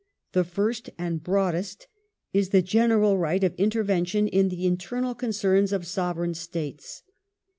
The first and broadest is the general right of intervention in the internal concerns of Sovereign States.